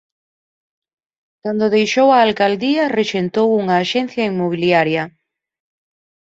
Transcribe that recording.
Cando deixou a alcaldía rexentou unha axencia inmobiliaria.